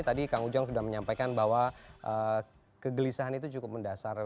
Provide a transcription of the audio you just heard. tadi kang ujang sudah menyampaikan bahwa kegelisahan itu cukup mendasar